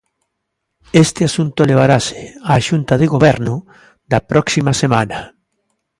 Este asunto levarase á Xunta de Goberno da próxima semana.